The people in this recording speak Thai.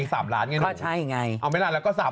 ทำให้สงสาร